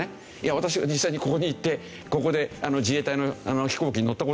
私は実際にここに行ってここで自衛隊の飛行機に乗った事あるんですけど。